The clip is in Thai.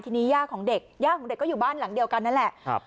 ทีนี้ย่าของเด็กย่าของเด็กก็อยู่บ้านหลังเดียวกันนั่นแหละครับ